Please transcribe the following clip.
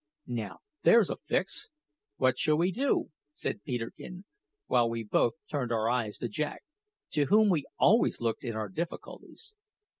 "Now, there's a fix! What shall we do?" said Peterkin, while we both turned our eyes to Jack, to whom we always looked in our difficulties.